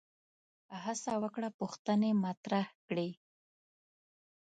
هڅه وکړه پوښتنې مطرح کړي